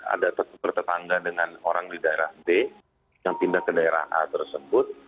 ada bertetangga dengan orang di daerah d yang pindah ke daerah a tersebut